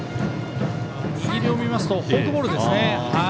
握りを見ますとフォークボールですね。